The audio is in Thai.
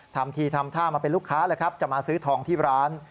ทำทีทำท่ามาเป็นลูกค้าเลยครับจะมาซื้อทองที่ร้าน